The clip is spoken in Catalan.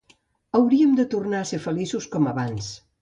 Hauríem tornat a ser feliços com abans.